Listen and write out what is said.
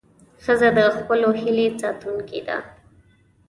ښځه د خپلو هیلې ساتونکې ده.